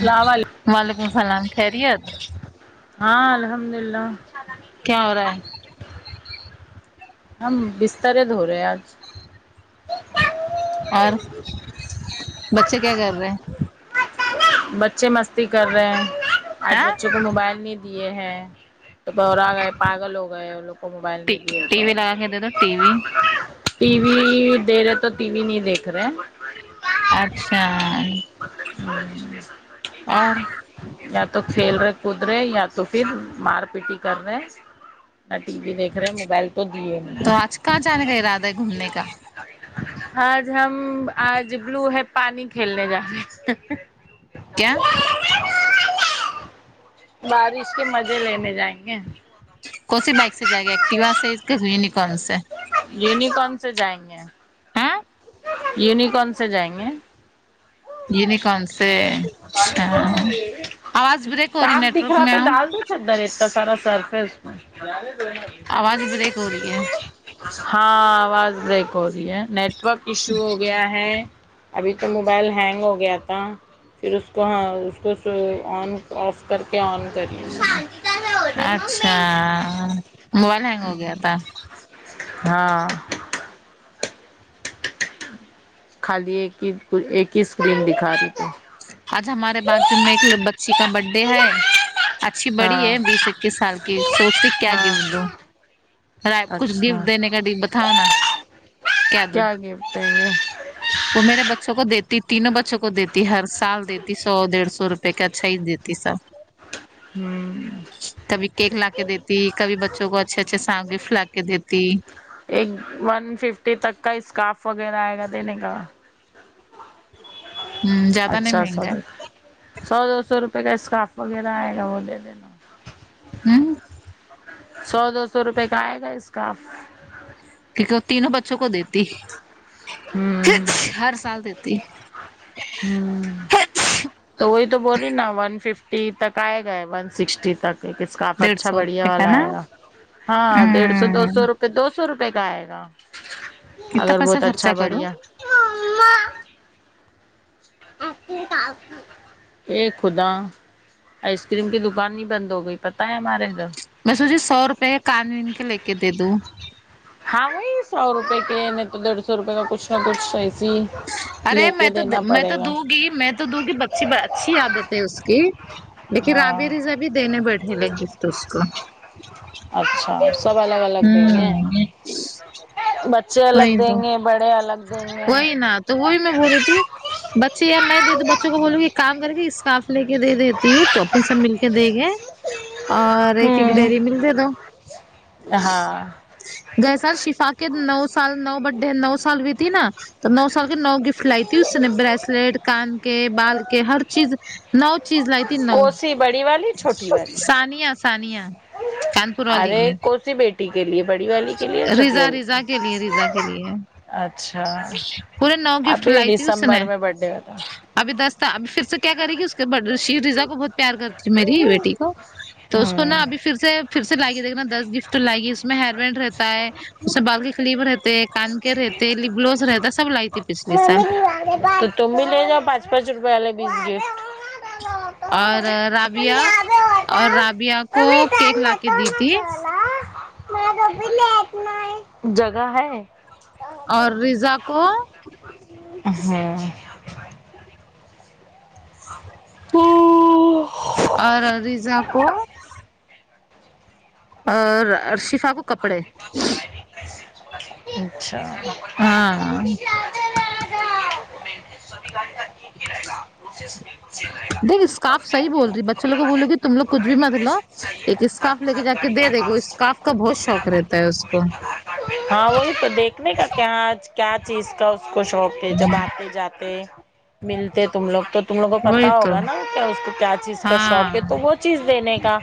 اسلام علیکم وعلیکم السلام خیریت ہاں الحمد اللہ کیا ہو رہا ہے ہم بسترے دھو رہے آج اور بچے کیا کر رہے بچے مستی کر رہے ہیں آج ہاں بچوں کو موبائل نہیں دیے ہیں تو بورا گئے پاگل ہو گئے وہ لوگ کو موبائل نہیں دیے ٹی تو وی لگا کے دے توا ٹی وی ٹی وی دے رہے تو ٹی وی نہیں دیکھ رہے اچھا اور [unintelligible] یا تو کھیل رہے کود رہے یا تو پھر مار پیٹی کر رہے میں ٹی وی دیکھ رہے موبائل تو دیے تو آج کہاں جانے کا ارادہ ہے گھومنے کا آج ہم آج بلو ہے پانی کھیلنے جا رہے کیا بارش کے مزے لینے جائیں گے کوسی بائک سے جائے گا ایکٹیوا سے یونیکن سے یونیکون سے جائیں گے ہاں یونیکون سے جائیں گے یینیکون سے اچھا آواز بریک ہو رہی ہے نیٹورک میں آؤں درہ اتنا سارا سرف ہے اس میں آواز بریک ہو رہی ہے ہاں آواز ہو رہی ہے نیٹ ورک ایشو ہو گیا ہے ابھی تو موبائل ہینگ ہو گیا تھا پھر اس کو ہاں اس کو آن آف کر کے آن کرے اچھا موبائل ہینگ ہو گیا تھا ہاں خالی ایک ہی ایک ہی اسکرین دکھا رہی تھی آج ہمارے باتھ روم میں ایک بچی کا برتھ ڈے ہے اچھی بڑی ہے ہاں بیس اکیس سال کی سوچتی کیا ہاں گفٹ دو کچھ گفٹ اچھا دینے کا بتاؤ نا کیا دوں گفٹ ہے یہ وہ میرے بچوں کو دیتی تینوں بچوں کو دیتی ہر سال دیتی سو ڈیڑھ سو روپئے کا اچھا ہی دیتی سب ہوں کبھی کیک لا کے دیتی کبھی بچوں کو اچھے اچھے سا گفٹ لا کے دیتی ایک ون ففٹی تک کا اسکارف وغیرہ آئے گا دینے کا زیادہ نہیں اچھا مہنگا سایک سو دو سو روپئے کا اسکارف وغیرہ آئے گا وہ دے دینا ہوں سو دو سو روپے کا آئے گا اسکاف کیونکہ وہ تینوں بچوں کو دیتی ہوں ہر سال دیتی ہوں تو وہی تو بول رہی نا ون ففٹی تک آئے گا ون سکسٹی تک اسکاف ڈیڑھ اچھا سو بڑھیا روپے کا والا نا آئے گا ہاں ڈیڑھ سو دو ہ سو روپے دو سو روپئے کا آئے گا کتنا اگر پیسہ بہت خرچا اچھا کرو بڑھیا [unintelligible] ا خدا آئس کریم کی دکان نہیں بند ہو گئی پتہ ہے ہمارے ادھر میں سوچی سو روپے کان وین کے لے کے دے دوں ہاں وہی سو روپے کے نہیں تو ڈیڑھ سو روپئے کا کچھ نہ کچھ ایسی ہی ارے میں تو میں تو دوں گی میں تو تو دکی بچی اچھی عادت ہے اس کی لیکن راب ہاں رضا بھی دینے بیٹھے لے گفٹ اس کو اچھا سب الگ الگ دیں گے ہوں بچچے الگ وہی دیں تو گے بڑے الگ دیں گے وہی نا تو وہ بھی میں بول رہی تھی بچے یا میں دے د بچوں کو بولوں گی کہ کام کر کے کاف لے کے دے دیتی ہوں توپل سب مل کے دے گئے اور ایک ایک ہوں ڈیری ملک دے دو ہاں گئے سر شفا کے نو سال نو بڈے نو سال ہوئی تھی نا تو نو سال کے نو گفٹ لائی تھی اس نے بریسلیٹ کان کے بال کے ہر چیز نو چیز لائی تھی نو کوسی بڑی والی چھوٹی والی سانیا سانیا چانانپور والی ارے ہے کوسی بیٹی کے لیے بڑی والی کے لیے چھوٹی ریضا والی ریضا کے لیے ریضا کے لیے اچھا پورے نو گفٹ ابھی لائی تھی اس نے دسمبر میں برتھ ڈے ہوتا ابھی دس اب پھر سے کیا کرے گی اس کے شی رضا کو بہت پیار کرتی میری بیٹی کو تو اس کو نا ہوں ابھی پھر سے پھر سے لائیگی دیکنا دس گفٹ لائیگی اس میں ہیر بینڈ رہتا ہے اس میں بال کی قلیف رہتا کان کے رہتے لبلوز رہتا سب لائی تھی پچھلیے سال ممی والے تو تم بھی لے جاؤ پانچ پانچ روپے والے بس گفٹ اور رابیا اور رابیا کو کیک لا کے دی تھی جگہ ہے اور ریزا کو ہوں ہاں اور ریضا کو اور شفا کو کپڑے اچھا ہاں [unintelligible] دیک اسکاف صحیح بول رہی بچوںوگ بولو گ کہ تم لو کچھ بھی مت لو ایک اسکاف لے کے جا کے دے دے گے اسکاف کا بہت شوق رہتا ہے اس کو ہاں وہی تو دیکھنے کا کیا کیا چیز کا اس کو شوق کے جب آتے جاتے ملتے تم لوگ تو تم لوگ کو پتہ وہی تو ہوگا نا کیا اس کو کیا چیز کا شوق ہاں ہے تو چیز دینے کا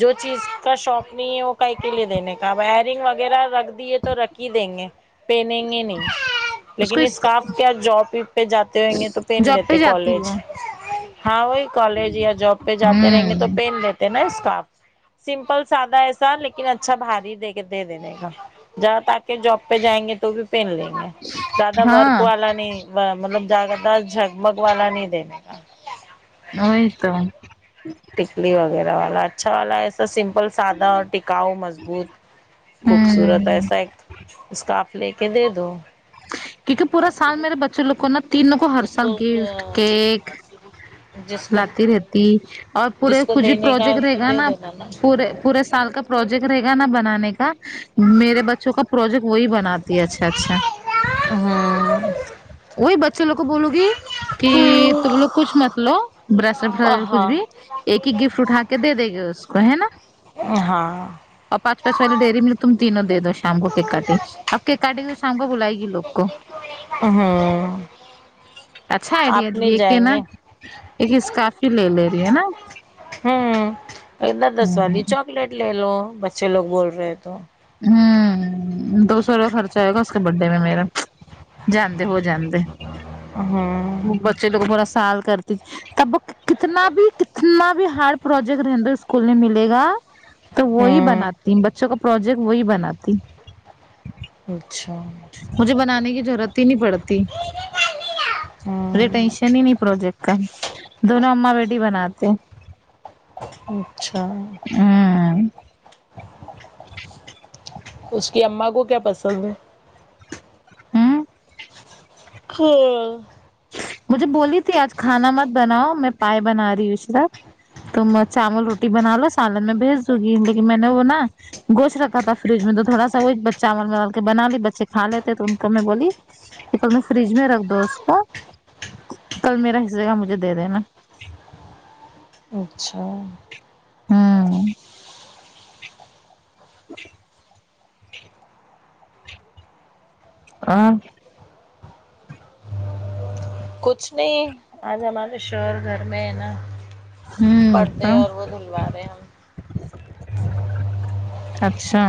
جو چیز کا شوق نہیں ہے وہ کائی کے لیے دینے کا اب ایئرنگ وغیرہ رکھ دیے تو رکھ ہی دیں گے پہنیں گے نہیں اس لیکن کو اسکاف کیا جاب پہ جاتے ہویں گے تو پہن جاب پہ لیتے جاتی کالج وہ ہاں وہی کالج یا جاب پہ جاتے رہیں گے تو ہوں پین دیتے اسکارف سمپل سادہ ایسا لیکن اچھا بھاری دے کے دے دینے کا جذدا آ کے جاب پہ جائیں گے تو بھی پہن لیں گے زیادہ ورک ہاں والا نہیں مطلب زیادہ ت جگ بگ والا نہیں دنے گ نہیں تو ٹکلی وغیرہ والا اچھا والا ہے ا سمپل سادہ اور ٹکاؤ مضبوط خوبصورت ایسا ایک اسکاف لے کے دے دو کیونکہ پورا سال میرے بچوں لوگ کو نا تینوں کو ہر سال گفٹ کیک جس کو لاتی رہتی اور پورے جس کو کچھ بھی دینے کا ہے پروجیکٹ اس رہے کو گا دے نا دینا پورے پورے سال کا پروجیکٹ رہے گا نا بنانے کا میرے بچوں کا پروجیکٹ وہی بناتی ہے اچھا اچھا ہاں وہی بچے لوگ کو بولو گی کہ تم لوگ کچھ مت لو برسٹ ف کچھ ہاں بھی ایک ہی گفٹ اٹھا کے دے دے گے اس کو ہے نا ہاں اور پانچ پانچ والی ڈیری میں تم تینوں دے دو شام کو کیک کاٹی اب کیک کاٹے گی تو شام کو بلائے گی لوگ کو ہوں اچھا آئیڈیا آپ نہیں دیے کہ جائیں نا گے ایک اسکاف ہی لے لے رہی ہے نا انا دس والی ہوں چاکلیٹ لے لو بچے لوگ بول رہے تو ہوں دو سو روپئے خرچہ آئے گا اس کے بڈ ڈے میں میرا جاندے ہو جاندے ہوں بچے لوگ پورا سال کرتی تب کتنا بھی کتنا بھی ہارڈ پروجیکٹ رہندے اسکول میں ملے گا تو وہی ہوں بناتی بچوں کا پروجیکٹ وہی بناتی اچھا مجھے بنانے کی ضرورت ہی نہیں پڑتی مجھے ہوں ٹینشن ہی نہیں پروجیکٹ کا دونوں امما بیٹی بناتے ہے اچھا اس کی اماں کو کیا پسند ہے ہوں ہھ مجھے بولی تھی آج کھانا مت بناؤ میں پائے بنا رہی ہوں اس تم چاول روٹی بنا لو سالن میں بھیج دوں گی لیکن میں نے وہ نا گوشت رکھا تھا فریج میں تو تھوڑا سا وہ ایک بچہ چاول کے بنا لی بچے کا لیتے تو ان کو میں بولی کل میں فریج میں رکھ دو اس کو کل میرے حصہ کا مجھے دے دینا اچھا ہاں آ کچھ نہیں آج ہمارے شوہر گھر میں ہے نا ہوں پردے تو اور وہ دلوا رہے ہم اچھا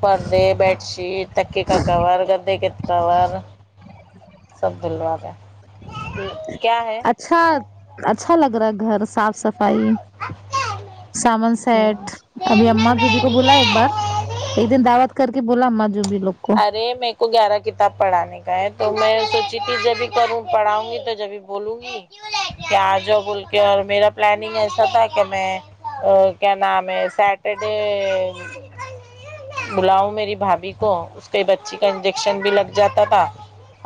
پردے بیڈ شیٹ تکے کا کور گدے کے کور سب دلوا رے کیا ہے اچھا اچھا لگ رہا ہے گھر صاف صفائی سامن ہوں سیٹ ابھی تیری نہ امما جوبی کو میری بولا ایک بار ایک ہے دن دعوت کر کے بولا اما جو بھی لوگ کو ارے میں کو گیارہ کتاب پڑھانے کا ہے تو میں سوچی تھی جب ھی کروں پڑھاؤں گی تو جب ھی بولوں گی کیا جاؤ بول کے اور میرا پلاننگ ایسا تھا کہ میں کیا نام ہے سٹرڈے بلاؤ میری بھابھی کو اس کے بچی کا انجیکشن بھی لگ جاتا تھا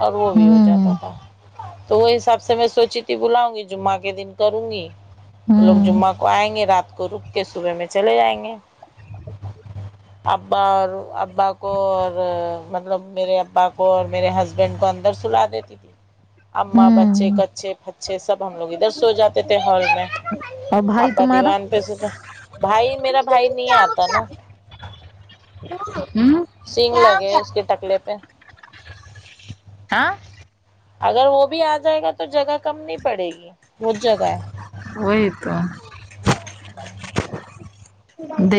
اور وہ بھی ہو جاتا ہوں تھا تو وہ حساب سے میں سوچی تھی بلاؤں گی جمعہ کے دن کروں گی وہ لوگ ہوں جمعہ کو آئیں گے رات کو رک کے صبح میں چلے جائیں گے ابا اور ابا کو مطلب میرے ابا کو اور میرے ہسبینڈ کو اندر سولا دیتی تھی اما بچے ہوں کچے پچے سب ہم لوگ ادھر سو جاتے تھے ہال میں اور بھائی ابا تمہارا دیوان پہ سوتے بھائی میرا بھائی نہیں آتا نا ہمم سینگ لگے ہے اس کے ٹکلے پہ ہاں اگر وہ بھی آ جائے گا تو جگہ کم نہیں پڑے گی بہت جگہ ہے وہی تو ہے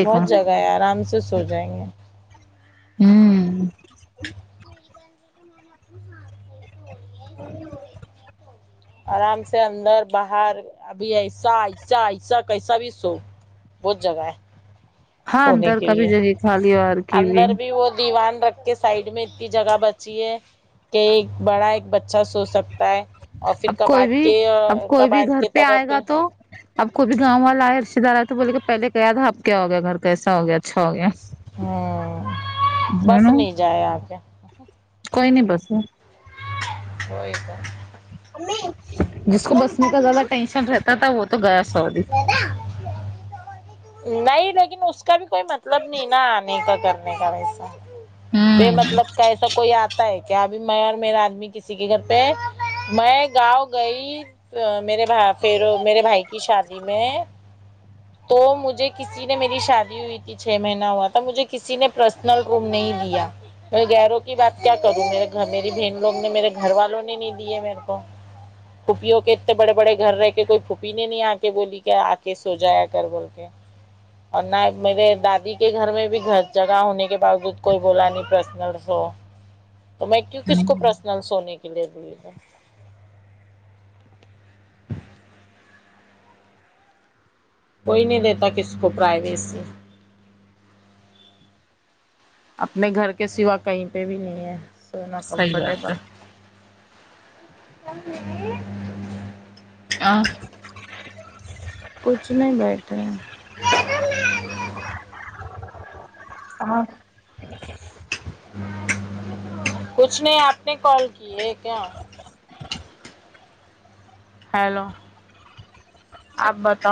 بہت جگہ ہیں آرام سے سو جائیں گے ہمم میری بن رہی تو میں نے اپنے ہاتھ سے ہی توڑی ہے اسے توڑے اتنی توڑی آرام سے اندر باہر ابھی ایسہ ایسہ ایسہ کیسا بھی سو بہت جگہ ہے ہاں سونے اندر کے کا لیے بھی جگہ خالی اور کی اندر بھی وہ دیوان رکھ کے سائڈ میں اتنی جگہ بچی ہے کہ ایک بڑا ایک بچہ سو سکتا ہے اور پھر اب کوئی کبٹ بھی کے کبٹ کے طرف بھی آپ کوئی بھی گاؤں والا ہے رشتے دار ائے تو بولے کہ پہلے گیا تھا اب کیا ہو گیا گھر کیسا ہو گیا اچھا ہو گیا ہوں ہے بس نا نہیں جائے آ کے کوئی نہیں بس وہی تو جس کو بسنے کا زیادہ ٹینشن رہتا تھا وہ تو گیا سوودی نہیں لیکن اس کا بھی کوئی مطلب نہیں نا آنے کا کرنے کا ویسا بے ہوں مطلب کہے تو کوئی آتا ہے کیا ابھی میں اور میرا آدمی کسی کے گھر پہ میں گاؤں گئی میرے بھ پھر میرے بھائی کی شادی میں تو مجھے کسی نے میری شادی ہوئی تو چھ مہینہ ہوا تھا مجھے کسی نے پرسنل روم نہیں دیا میں گیروں کی بات کیا کروں میرے گھر میری بہن لوگ نے میرے گھر والوں نے نہیں دیے میرے کو پھوپھیوں کے اتنے بڑے بڑے گھر رہے کے کوئی پھوپھی نے نہیں آ کے بولی کیا آ کے سو جایا گٹ بول کے اور نہ میرے دادی کے گھر میں بھی ہر جگہ میرے باوجود کو بولا پرسنل سو تو میں کیوں کس کو پرسنل سونے کے لیے بولیگا کوئی نہیں دیتا کسی کو پرائیویسی اپنے گھر کے سوا کہیں پہ بھی نہیں ہے سونا صحیح بات کمفرٹیبل [unintelligible] کچھ نہیں بیٹھ رہی ہاں کچھ نہیں آپ نے کال کی ہے کیا ہیلو آپ بتاؤ